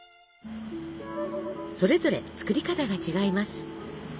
それぞれ作り方が違います。